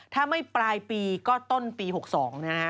ถ้าไม่ปลายปีก็ต้นปี๖๒นะฮะ